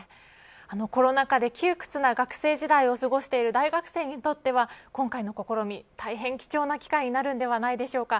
コロナ禍で窮屈な学生時代を過ごしている大学生にとっては、今回の試み大変貴重な機会になるんではないでしょうか。